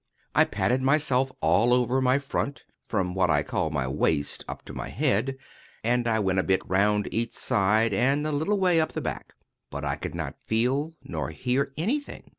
I patted myself all over my front, from what I call my waist up to my head, and I went a bit round each side, and a little way up the back. But I could not feel or hear anything.